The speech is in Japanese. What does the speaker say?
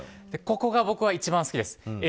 ここが僕は一番好きです。